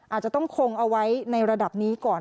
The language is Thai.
อาจจะต้องคงเอาไว้ในระดับนี้ก่อน